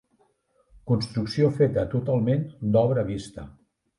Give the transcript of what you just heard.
Construcció feta totalment d'obra vista.